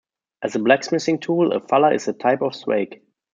As a blacksmithing tool, a fuller is a type of swage.